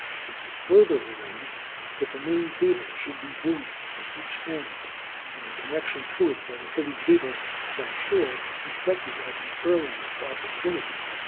It was further arranged that the main cable should be buoyed at each end, and the connection to it by the heavy cable from shore effected at the earliest opportunity.